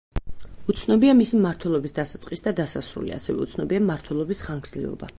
უცნობია მისი მმართველობის დასაწყისი და დასასრული, ასევე უცნობია მმართველობის ხანგრძლივობა.